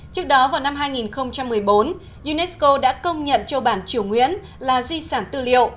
trước đó vào năm hai nghìn một mươi bốn unesco đã công nhận châu bản triều nguyễn là di sản tư liệu